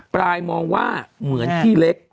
ปลายมองว่าเหมือนที่เล็ก